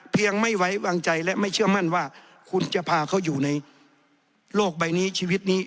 ไม่ไว้วางใจและไม่เชื่อมั่นว่าคุณจะพาเขาอยู่ในโลกใบนี้ชีวิตนี้